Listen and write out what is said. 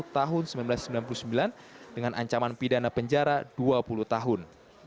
tahun seribu sembilan ratus sembilan puluh sembilan dengan ancaman pidana penjara dua puluh tahun